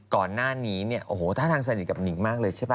ก่อนหน้านี้เนี่ยโอ้โหท่าทางสนิทกับหนิงมากเลยใช่ป